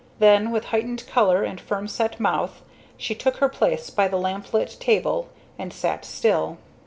Then with heightened color and firm set mouth, she took her place by the lamplit table and sat still.